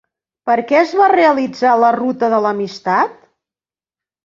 Per a què es va realitzar la Ruta de l'Amistat?